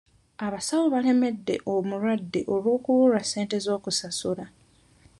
Abasawo baalemedde omulwadde olw'okubulwa ssente z'okusasula